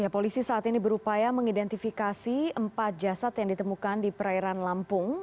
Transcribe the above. polisi saat ini berupaya mengidentifikasi empat jasad yang ditemukan di perairan lampung